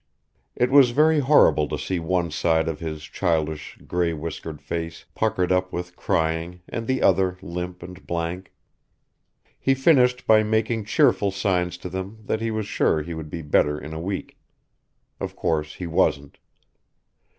It was very horrible to see one side of his childish grey whiskered face puckered up with crying and the other limp and blank. He finished by making cheerful signs to them that he was sure he would be better in a week. Of course he wasn't.